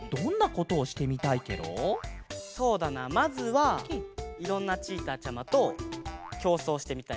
そうだなまずはいろんなチーターちゃまときょうそうしてみたいし。